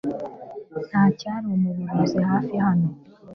Ndacyari umuyobozi hafi hano .